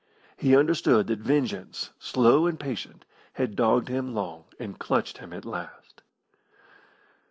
He understood that vengeance, slow and patient, had dogged him long, and clutched him at last.